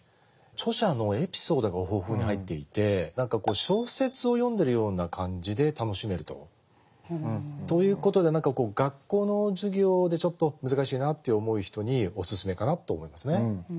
著者のエピソードが豊富に入っていて何かこう小説を読んでるような感じで楽しめると。ということで学校の授業でちょっと難しいなと思う人にお薦めかなと思いますね。